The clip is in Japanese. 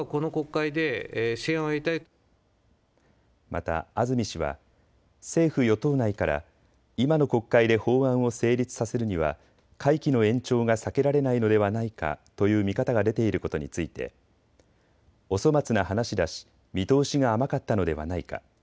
また安住氏は政府与党内から今の国会で法案を成立させるには会期の延長が避けられないのではないかという見方が出ていることについてお粗末な話だし見通しが甘かったのではないか。